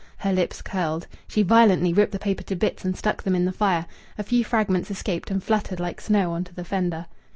Her lips curled. She violently ripped the paper to bits and stuck them in the fire; a few fragments escaped and fluttered like snow on to the fender.